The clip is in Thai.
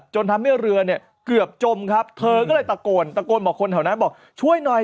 จนทำให้เรือเนี่ยเกือบจมครับเธอก็เลยตะโกนตะโกนบอกคนแถวนั้นบอกช่วยหน่อย